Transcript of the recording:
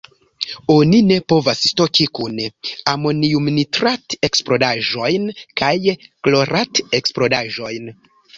Oni ne povas stoki kune amoniumnitrat-eksplodaĵojn kaj Klorat-eksplodaĵojn.